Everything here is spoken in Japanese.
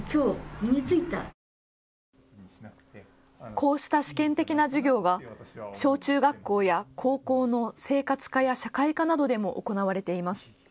こうした試験的な授業が小中学校や高校の生活科や社会科などでも行われています。